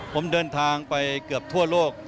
ผมเดินทางไปเกือบทั่วโลก